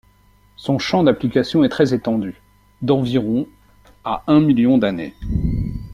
Son champ d'application est très étendu, d'environ à un million d'années.